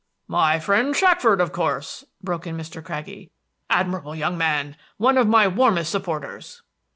"My friend Shackford, of course," broke in Mr. Craggie. "Admirable young man! one of my warmest supporters."